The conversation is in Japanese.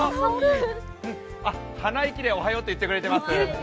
鼻息でおはようって言ってくれてます。